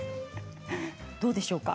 どうでしょうか。